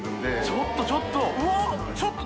ちょっとちょっとうわっ！